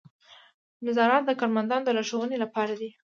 نظارت د کارمندانو د لارښوونې لپاره دی.